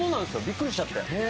びっくりしちゃって。